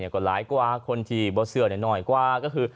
ก็หลายกว่าคนที่บดเสื้อหน่อยกว่าก็คือ